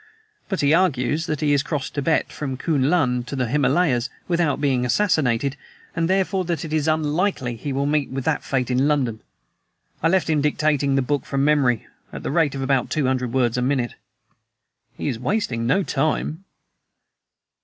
But he argues that he has crossed Tibet from the Kuen Lun to the Himalayas without being assassinated, and therefore that it is unlikely he will meet with that fate in London. I left him dictating the book from memory, at the rate of about two hundred words a minute." "He is wasting no time."